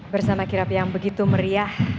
bersama kira kira yang begitu meriah